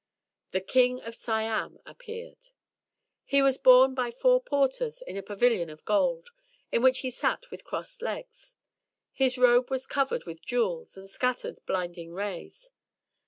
The King of Siam appeared. He was borne by four porters in a pavilion of gold, in which he sat with crossed legs. His robe was covered with jewels, and scattered blinding rays.